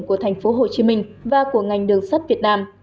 của tp hcm và của ngành đường sắt việt nam